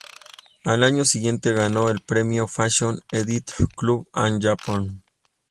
Al año siguiente ganó el premio Fashion Editor Club of Japan.